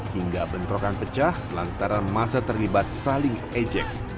hingga bentrokan pecah lantaran masa terlibat saling ejek